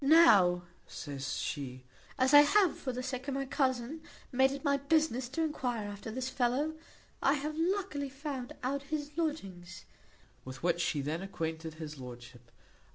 "Now," says she, "as I have, for the sake of my cousin, made it my business to enquire after this fellow, I have luckily found out his lodgings;" with which she then acquainted his lordship.